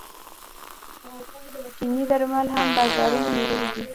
چیني درمل هم بازارونه نیولي دي.